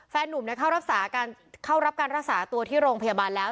แฟนนุ่มเข้ารับการรักษาตัวที่โรงพยาบาลแล้ว